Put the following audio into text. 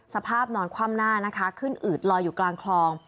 สภาพนอนคว่ำหน้านะคะขึ้นอืดลอยอยู่กลางคลอง